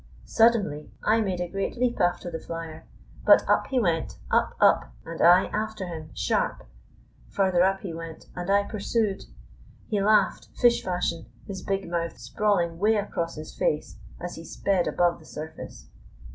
Suddenly I made a great leap after the flier, but up he went, up, up, and I after him, sharp! Further up he went, and I pursued. He laughed, fish fashion, his big mouth sprawling way across his face as he sped above the surface.